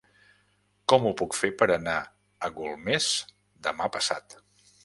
Com ho puc fer per anar a Golmés demà passat?